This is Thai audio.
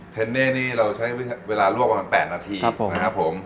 เทนเน่นี่เราใช้เวลาลวกประมาณ๘นาทีนะครับผม